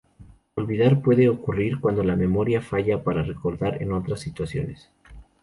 Olvidar puede ocurrir cuando la memoria falla para recordar en otras situaciones.